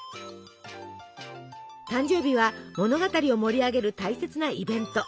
誕生日は物語を盛り上げる大切なイベント。